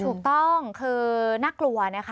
ถูกต้องคือน่ากลัวนะคะ